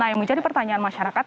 nah yang menjadi pertanyaan masyarakat